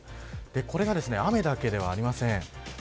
これが、雨だけではありません。